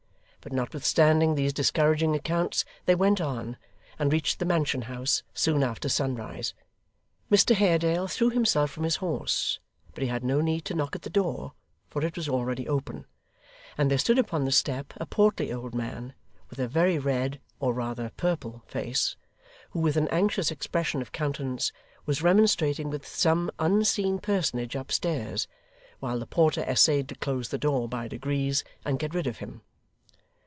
But notwithstanding these discouraging accounts they went on, and reached the Mansion House soon after sunrise. Mr Haredale threw himself from his horse, but he had no need to knock at the door, for it was already open, and there stood upon the step a portly old man, with a very red, or rather purple face, who with an anxious expression of countenance, was remonstrating with some unseen personage upstairs, while the porter essayed to close the door by degrees and get rid of him.